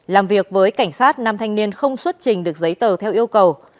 làm việc với cảnh sát nam thanh niên không xuất trình được giấy tờ theo yêu cầu